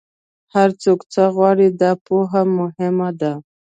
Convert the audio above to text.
هر څوک څه غواړي، دا پوهه مهمه ده.